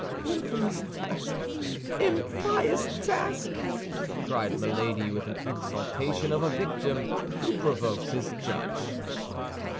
"Infamous task! impious task!" cried Milady, with the exultation of a victim who provokes his judge.